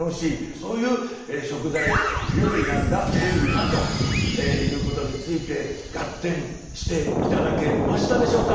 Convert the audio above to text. そういう食材料理なんだゼリーはということについてガッテンして頂けましたでしょうか？